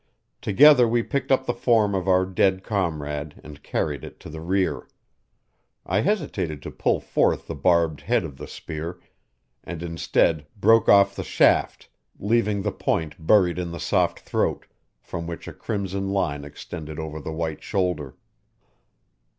Together we picked up the form of our dead comrade and carried it to the rear. I hesitated to pull forth the barbed head of the spear, and instead broke off the shaft, leaving the point buried in the soft throat, from which a crimson line extended over the white shoulder.